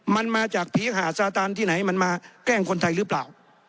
มันมาจากผีหาดซาตานที่ไหนมันมาแกล้งคนไทยหรือเปล่า